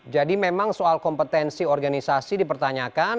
jadi memang soal kompetensi organisasi dipertanyakan